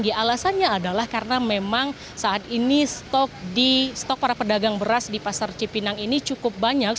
dan juga karena memang saat ini stok para pedagang beras di pasar cipinang ini cukup banyak